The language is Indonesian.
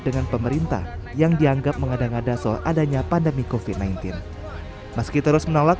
dengan pemerintah yang dianggap mengada ngada soal adanya pandemi kofi sembilan belas meski terus menolak